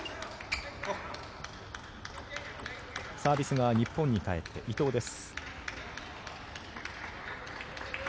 サービスが日本に返って伊藤です。